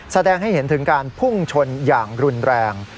แสดงให้เห็นถึงการพุ่งชนอย่างรุนแรง